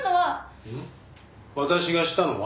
「私がしたのは」